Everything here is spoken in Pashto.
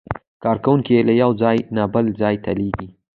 کارکوونکي یې له یو ځای نه بل ته لېږي.